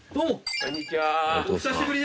こんにちは。